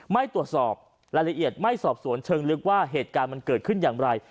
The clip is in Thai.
ไม่ตรวจสอบรายละเอียดไม่สอบสวนเชิงลึกว่าเหตุการณ์มันเกิดขึ้นอย่างไร